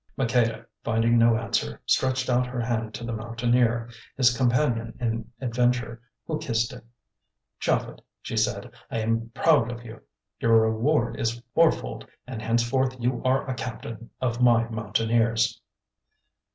Maqueda, finding no answer, stretched out her hand to the Mountaineer, his companion in adventure, who kissed it. "Japhet," she said, "I am proud of you; your reward is fourfold, and henceforth you are a captain of my Mountaineers."